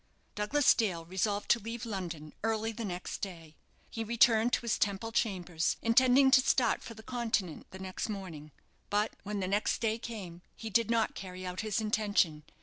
Douglas Dale resolved to leave London early next day. He returned to his Temple chambers, intending to start for the Continent the next morning. But when the next day came he did not carry out his intention.